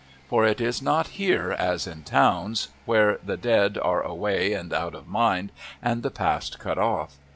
For it is not here as in towns, where the dead are away and out of mind and the past cut off.